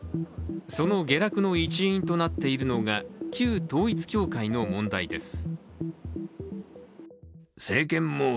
その下落の一因となっているのが旧統一教会の問題です。